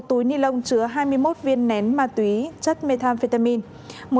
một túi ni lông chứa hai mươi một viên nén ma túy chất methamphetamin